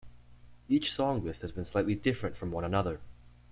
Each song list has been slightly different from one another.